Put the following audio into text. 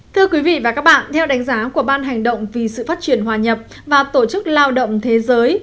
thưa quý vị và các bạn theo đánh giá của ban hành động vì sự phát triển hòa nhập và tổ chức lao động thế giới